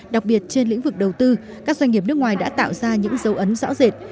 đặc biệt trên lĩnh vực đầu tư các doanh nghiệp nước ngoài đã tạo ra những dấu ấn rõ rệt